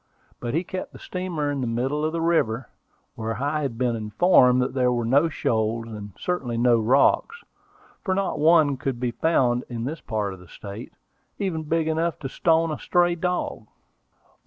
But he kept the steamer in the middle of the river, where I had been informed there were no shoals; and certainly no rocks, for not one could be found in this part of the state, even big enough to stone a stray dog.